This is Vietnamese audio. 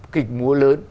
kịch múa lớn